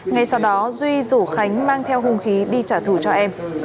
ngay sau đó duy rủ khánh mang theo hung khí đi trả thù cho em